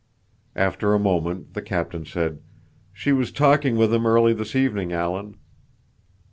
After a moment the captain said, "She was talking with him early this evening, Alan."